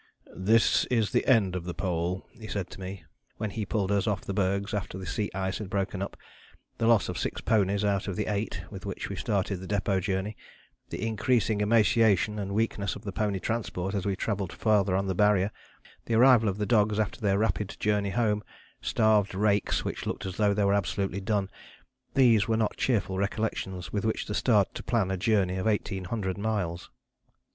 "This is the end of the Pole," he said to me, when he pulled us off the bergs after the sea ice had broken up; the loss of six ponies out of the eight with which we started the Depôt Journey, the increasing emaciation and weakness of the pony transport as we travelled farther on the Barrier, the arrival of the dogs after their rapid journey home, starved rakes which looked as though they were absolutely done these were not cheerful recollections with which to start to plan a journey of eighteen hundred miles.